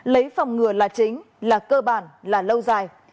lấy phòng ngừa là chính là cơ bản là lâu dài